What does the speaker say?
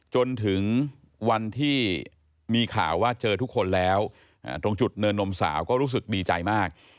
จนถึงวันที่มีข่าวว่าเจอทุกคนแล้วตรงจุดเนินนมสาวก็รู้สึกดีใจมาก